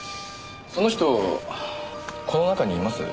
その人この中にいます？